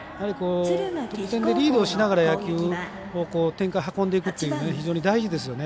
得点でリードをしながら野球を展開運んでいくって非常に大事ですよね。